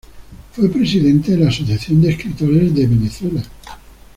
Fue presidenta de la Asociación de Escritores de Venezuela.